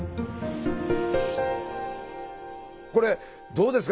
これどうですか？